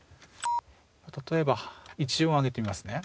例えば１音上げてみますね。